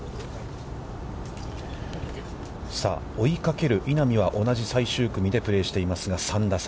さあ、追いかける稲見は、同じ最終組でプレーしていますが、３打差。